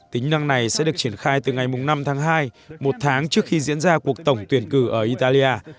tính năng này sẽ được triển khai từ ngày năm tháng hai một tháng trước khi diễn ra cuộc tổng tuyển cử ở italia